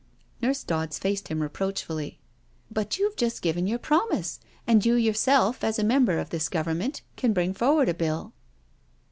Nurse Dodds faced him reproachfully :" But you've just given your promise, and you your self, as a Member of this Government, can bring for ward a Bill."